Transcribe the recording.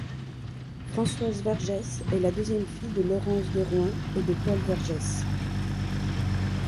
Françoise Vergès est la deuxième fille de Laurence Deroin et de Paul Vergès.